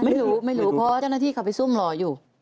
ไม่รู้ไม่รู้เพราะเจ้าหน้าที่เขาไปซุ่มรออยู่